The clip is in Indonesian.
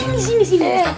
turun dulu ya